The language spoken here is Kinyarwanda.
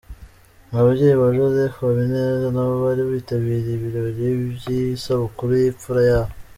Ababyeyi ba Joseph Habineza nabo bari bitabiriye ibirori by'isabukuru y'imfura yabo.